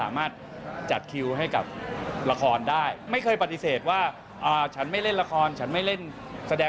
อ่ะไปฟังให้พี่ดูหน่อยใช่ค่ะ